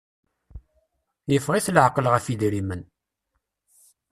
Yeffeɣ-it laɛqel ɣef idrimen.